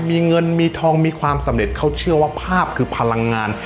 มีเงินมีทองมีความสำเร็จเขาเชื่อว่าภาพคือพลังงาน